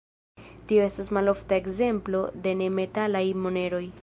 Tio estas malofta ekzemplo de ne-metalaj moneroj.